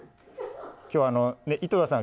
今日は井戸田さん